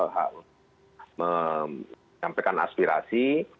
hak menyampaikan aspirasi